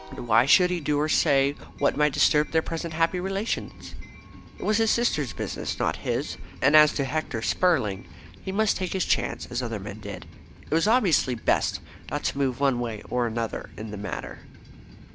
Why should he do or say what might disturb their present happy relations? It was his sister's business, not his; and as to Hector Spurling, he must take his chance as other men did. It was obviously best not to move one way or the other in the matter.